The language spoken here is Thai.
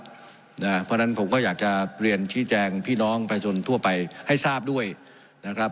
เพราะฉะนั้นผมก็อยากจะเรียนชี้แจงพี่น้องประชาชนทั่วไปให้ทราบด้วยนะครับ